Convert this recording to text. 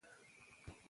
څه نه خوړل